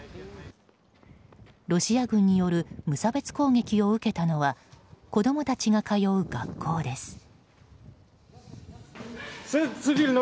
ロシア軍による無差別攻撃を受けたのは子供たちが通う学校です。